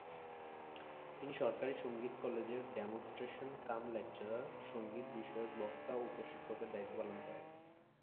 তিনি সরকারী সঙ্গীত কলেজের ডেমোনেস্ট্রেশন-কাম-লেকচারার, সংগীত বিষয়ক বক্তা ও প্রশিক্ষকের দায়িত্ব পালন করেন।